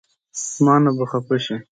مانه به خفه شې